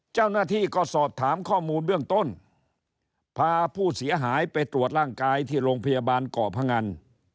เจ้าหน้าที่ก็สอบถามข้อมูลเบื้องต้นพาผู้เสียหายไปตรวจร่างกายที่โรงพยาบาลเกาะพงัน